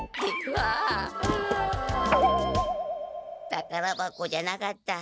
たからばこじゃなかった。